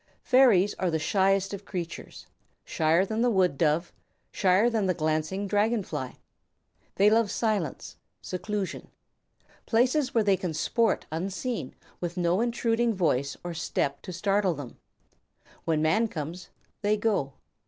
Fairies are the shyest of creatures; shyer than the wood dove, shyer than the glancing dragon fly. They love silence, seclusion, places where they can sport unseen with no intruding voice or step to startle them: when man comes they go.